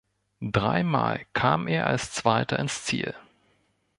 Dreimal kam er als Zweiter ins Ziel.